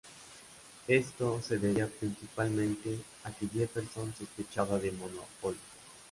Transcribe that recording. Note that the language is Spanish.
Esto se debía principalmente a que Jefferson sospechaba de monopolios.